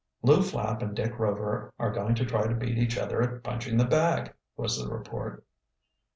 "Lew Flapp and Dick Rover are going to try to beat each other at punching the bag," was the report.